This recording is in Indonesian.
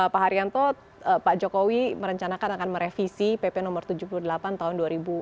pak haryanto pak jokowi merencanakan akan merevisi pp no tujuh puluh delapan tahun dua ribu dua puluh